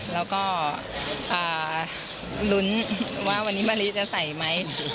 แล้วก็ลุ้นว่าวันนี้มะลิจะใส่ไหม